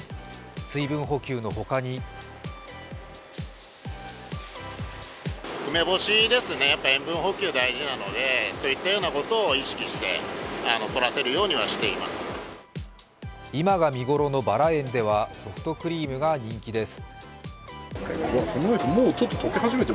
水分補給の他に今が見頃のばら園ではソフトクリームが人気です。